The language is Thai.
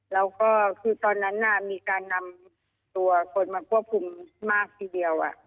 แล้วก็คือตอนนั้นมีการนำตัวคนมาควบคุมมากทีเดียว